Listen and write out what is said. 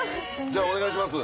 じゃあお願いします